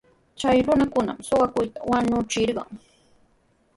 Chay runakunam suqakuqta wañuchirqan.